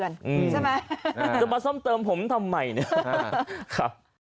ใช่ไหมจะมาซ่อมเติมผมทำไมเนี่ย